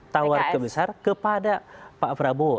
tawar terbesar kepada pak prabowo